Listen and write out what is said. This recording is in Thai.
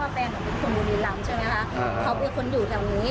เขาเป็นคนอยู่แถวนี้